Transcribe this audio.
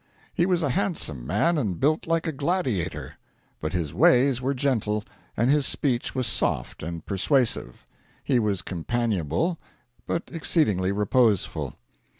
He was a handsome man and built like a gladiator. But his ways were gentle, and his speech was soft and persuasive. He was companionable, but exceedingly reposeful.